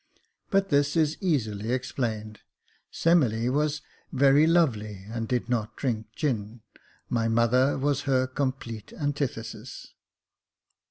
But this is easily explained. Semele was very lovely and did not drink gin — my mother was her complete antithesis.